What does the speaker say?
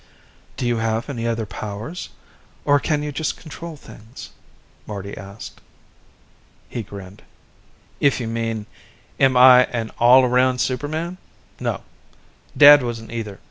"Do you have any other powers, or can you just control things?" Marty asked. He grinned. "If you mean, am I an all around superman, no. Dad wasn't either.